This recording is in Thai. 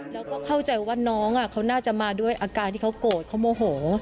แล้วก็เข้าใจว่าน้องเขาน่าจะมาด้วยอาการที่เขาโกรธเขาโมโห